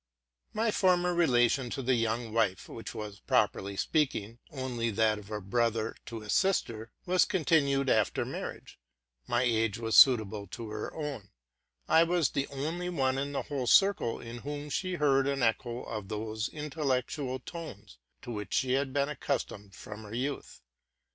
My former relation to the young wife, which was, properly speak ing, only that of a brother to a sister, was continued after marriage ; my age was suitable to her own; I was the only one in the whole circle in whom she heard an echo of those intellectual tones to which she had been accustomed from her youth.